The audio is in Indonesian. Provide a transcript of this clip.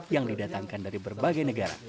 yang didatangkan dari berbagai negara